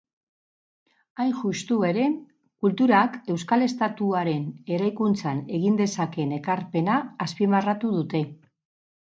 Hain juxtu ere, kulturak euskal estatuaren eraikuntzan egin dezakeen ekarpena azpimarratu dute.